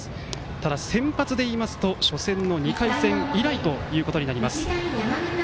ただ、先発でいいますと初戦の２回戦以来となります。